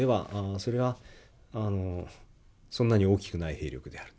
それはそんなに大きくない兵力であると。